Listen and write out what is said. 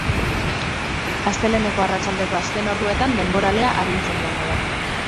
Asteleheneko arratsaldeko azken orduetan denboralea arintzen joango da.